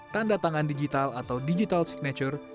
tanda tangan digital atau digital signature